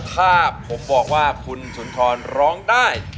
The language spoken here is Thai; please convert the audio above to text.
ถ้าผมบอกว่าคุณสุนทรร้องได้